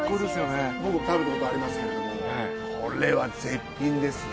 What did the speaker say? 僕食べたことありますけれどこれは絶品ですね。